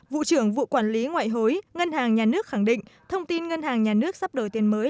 vụ trưởng vụ quản lý ngoại hối ngân hàng nhà nước khẳng định thông tin ngân hàng nhà nước sắp đổi tiền mới